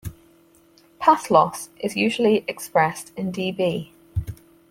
Path loss is usually expressed in dB.